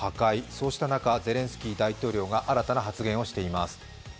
そうした中、ゼレンスキー大統領が新たな発言をしています。